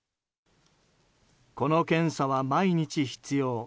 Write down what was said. この検査は、毎日必要。